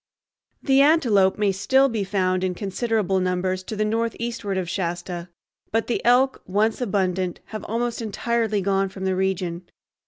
The antelope may still be found in considerable numbers to the northeastward of Shasta, but the elk, once abundant, have almost entirely gone from the region.